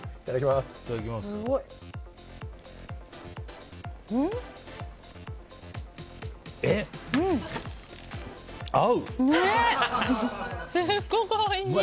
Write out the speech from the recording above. すっごくおいしい！